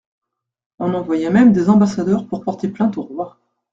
On envoya même des ambassadeurs pour porter plainte au roi.